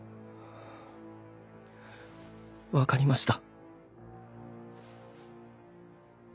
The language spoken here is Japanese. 分かりました。